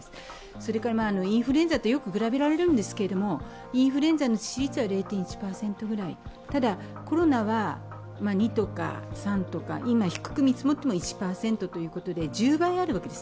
それからインフルエンザとよく比べられるんですけれども、インフルエンザの致死率は０．１％くらいただ、コロナは２とか３とか、低く見積もっても１％とかあるわけです。